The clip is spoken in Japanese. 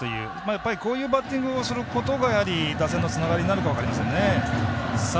やっぱりこういうバッティングをすることが打線のつながりなのか分かりませんね。